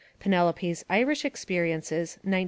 Penelope's Irish Experiences, 1901.